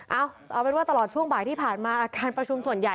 เอาเป็นว่าตลอดช่วงบ่ายที่ผ่านมาการประชุมส่วนใหญ่